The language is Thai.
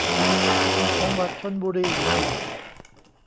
จังหวัดชลบุรี